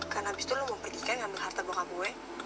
karena abis itu lo mau pergi ikan ngambil harta bokaboe